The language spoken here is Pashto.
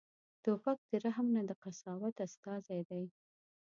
توپک د رحم نه، د قساوت استازی دی.